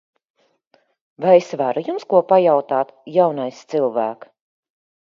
Vai es varu jums ko pajautāt, jaunais cilvēk?